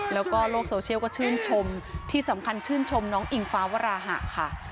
แล้วก็โลกโซเชียลก็ชื่นชมที่สำคัญชื่นชมน้องอิงฟ้าวราหะค่ะ